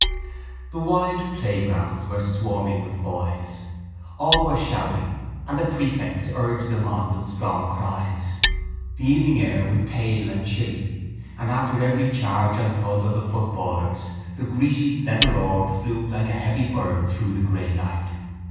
The wide playgrounds were swarming with boys. All were shouting and the prefects urged them on with strong cries. The evening air was pale and chilly and after every charge and thud of the footballers the greasy leather orb flew like a heavy bird through the grey light.